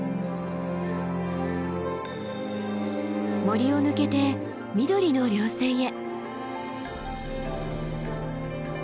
森を抜けて緑の稜線へ。